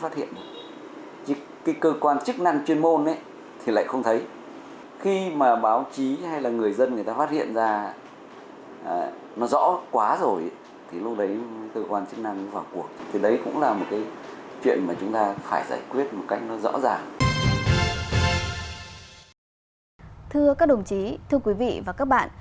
thưa các đồng chí thưa quý vị và các bạn